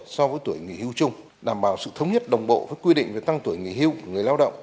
so với tuổi nghỉ hưu chung đảm bảo sự thống nhất đồng bộ với quy định về tăng tuổi nghỉ hưu của người lao động